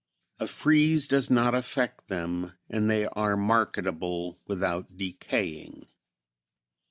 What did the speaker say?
A freeze does not affect them and they are marketable without decaying.